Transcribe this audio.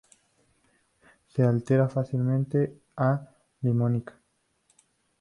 Se altera fácilmente a limonita.